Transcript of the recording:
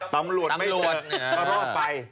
ตำรวจไม่เจอก็รอดไป